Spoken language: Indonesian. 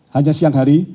hanya siang hari